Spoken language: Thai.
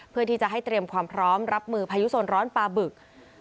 เพื่อที่จะให้เตรียมความพร้อมรับมือพายุโซนร้อนปลาบึก